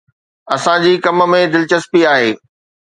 اسان جي ڪم ۾ دلچسپي آهي